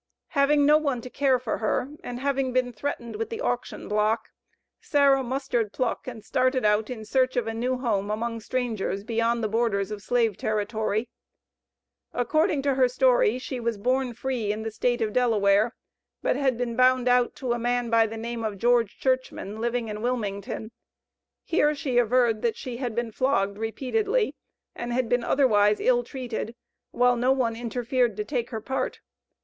Having no one to care for her, and, having been threatened with the auction block, Sarah mustered pluck and started out in search of a new home among strangers beyond the borders of slave territory. According to her story, she "was born free" in the State of Delaware, but had been "bound out" to a man by the name of George Churchman, living in Wilmington. Here she averred, that she "had been flogged repeatedly," and had been otherwise ill treated, while no one interfered to take her part.